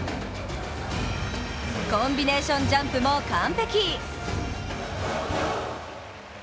コンビネーションジャンプも完璧。